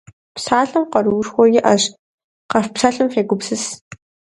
Псалъэм къэруушхуэ иӏэщ, къэфпсэлъым фегупсыс.